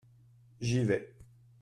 J'y vais.